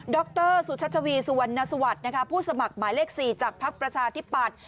รสุชัชวีสุวรรณสวัสดิ์ผู้สมัครหมายเลข๔จากภักดิ์ประชาธิปัตย